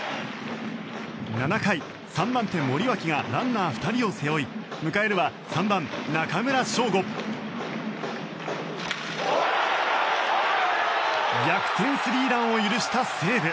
７回、３番手、森脇がランナー２人を背負い迎えるは３番、中村奨吾。逆転スリーランを許した西武。